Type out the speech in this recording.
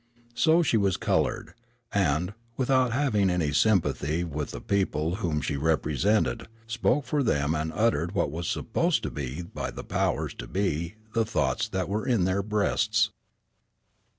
So she was colored, and, without having any sympathy with the people whom she represented, spoke for them and uttered what was supposed by the powers to be the thoughts that were in their breasts.